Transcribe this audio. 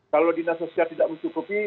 kalau dinas sosial tidak mencukupi